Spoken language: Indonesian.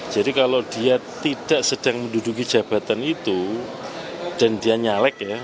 jadi kalau dia tidak sedang menduduki jabatan itu dan dia nyalek ya